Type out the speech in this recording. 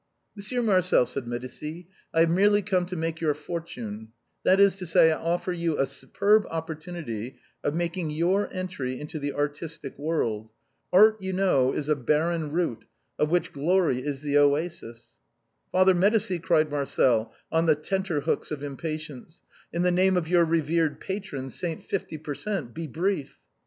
Monsieur Marcel," said Medicis, " I have merely come to make your fortime; that is to say, I offer you a superb opportunity of making your entry into the artistic world. Art, you know, is a barren route, of which glory is the oasis." " Father Medicis," cried Marcel, on the tenter hooks of impatience, " in the name of your reverend patron, St. Fif ty per cent., be brief